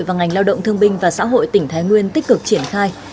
và ngành lao động thương binh và xã hội tỉnh thái nguyên tích cực triển khai